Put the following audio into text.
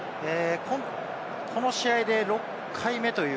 この試合で６回目という。